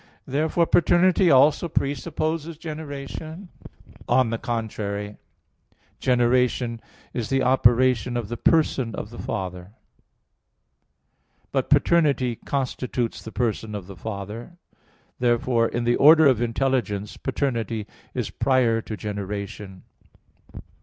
Therefore paternity also presupposes generation. On the contrary, Generation is the operation of the person of the Father. But paternity constitutes the person of the Father. Therefore in the order of intelligence, paternity is prior to generation.